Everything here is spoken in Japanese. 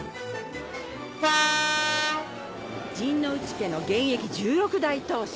陣内家の現役１６代当主。